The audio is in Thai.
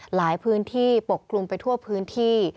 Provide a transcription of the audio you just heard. หลายพื้นที่ปกคลุมไปทั่วพื้นที่